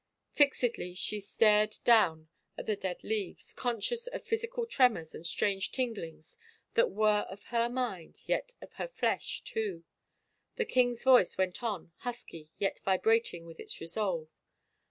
Fix edly she stared down at the dead leaves, conscious of physical tremors and strange tinglings that were of her mind yet of her flesh too. ... The king's voice went on, husky, yet vibrating with its resolve.